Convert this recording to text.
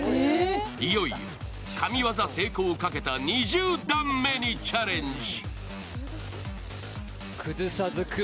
いよいよ神業成功をかけた２０段目にチャンレジ。